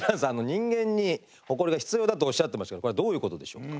人間にホコリが必要だとおっしゃってましたけどこれはどういうことでしょうか。